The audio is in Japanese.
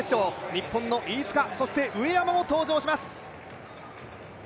日本の飯塚、そして上山も登場します。